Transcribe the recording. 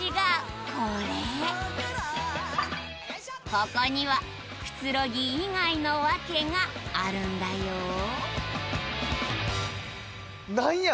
ここにはくつろぎ以外のワケがあるんだよ何や？